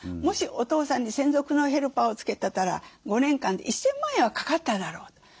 もしお父さんに専属のヘルパーをつけてたら５年間で１，０００万円はかかっただろうと。